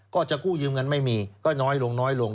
ก็จะกู้ยืมเงินไม่มีก็น้อยลงน้อยลง